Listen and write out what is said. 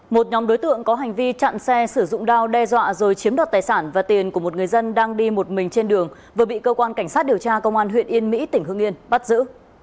một nhóm đối tượng có hành vi chặn xe sử dụng đao đe dọa rồi chiếm đoạt tài sản và tiền của một người dân đang đi một mình trên đường vừa bị cơ quan cảnh sát điều tra công an huyện yên mỹ tỉnh hương yên bắt giữ